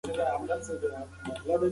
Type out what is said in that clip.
مور د ماشوم د خوب عادت تنظيموي.